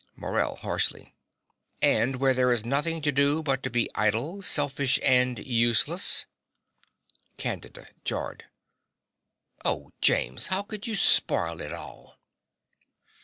MORELL (harshly). And where there is nothing to do but to be idle, selfish and useless. CANDIDA (jarred). Oh, James, how could you spoil it all!